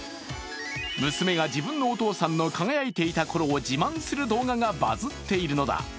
娘が自分のお父さんの輝いていたころを自慢する動画がバズッているのだ。